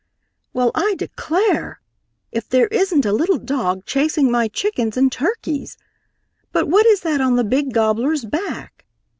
"Well, I declare, if there isn't a little dog chasing my chickens and turkeys! But what is that on the big gobbler's back?